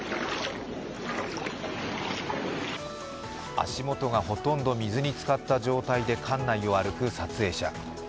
足元がほとんど水につかった状態で館内を歩く撮影者。